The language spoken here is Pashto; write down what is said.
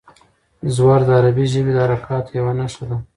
زور د عربي ژبې د حرکاتو یوه نښه ده.